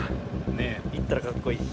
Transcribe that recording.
ねえいったらかっこいい。